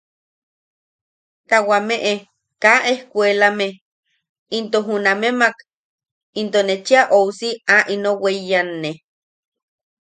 Ta wameʼe kaa ejkuelame into junamemak into ne chea ousi a ino weiyanne.